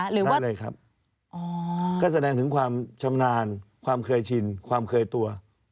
ได้เลยครับก็แสดงถึงความชำนาญความเคยชินความเคยตัว